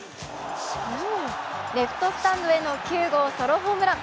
レフトスタンドへの９号ソロホームラン。